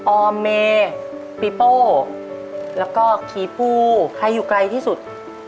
ออมเมปีโป้แล้วก็ขี่ปูใครอยู่ไกลที่สุด